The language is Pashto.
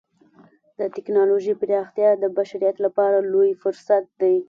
د ټکنالوجۍ پراختیا د بشریت لپاره لوی فرصت دی.